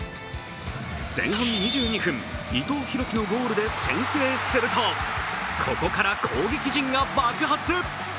前半２２分、伊藤洋輝のゴールで先制するとここから攻撃陣が爆発。